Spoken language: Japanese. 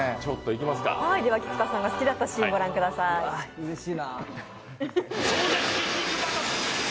菊田さんが好きだったシーンを御覧ください。